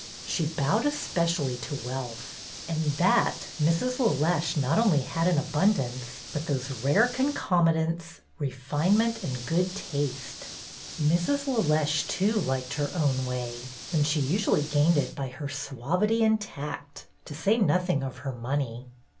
She bowed especially to wealth, and that Mrs. LeLeche not only had in abundance, but those rare concomitants, refinement and good taste. 2 28 BETTY BAIRD'S GOLDEN YEAR Mrs. LeLeche, too, liked her own way, and she usually gained it by her suavity and tact, to say nothing of her money.